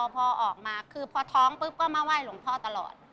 พอออกมาเพราะว่าพอท้องก็มาไว้หลวงพ่อตลอด